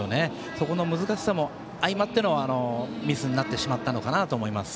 そこの難しさも相まってのミスになってしまったのかなと思います。